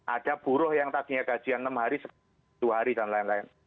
ada buruh yang tadinya gajian enam hari tujuh hari dan lain lain